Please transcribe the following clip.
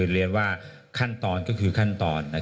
เรียนว่าขั้นตอนก็คือขั้นตอน